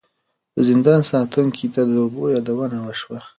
د زندان ساتونکي ته د اوبو یادونه وشوه.